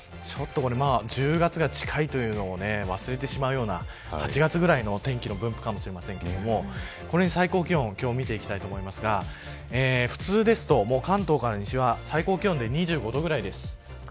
１０月が近いというのも忘れてしまうような８月ぐらいの天気の分布かもしれませんがこれに最高気温を見ていきたいと思いますが普通だと、関東から西は最高気温で２５度ぐらいです。